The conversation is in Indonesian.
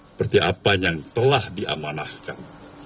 seperti apa yang telah diamanahkan